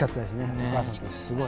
お母さんたちすごい。